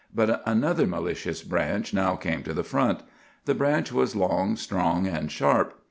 But another malicious branch now came to the front. The branch was long, strong, and sharp.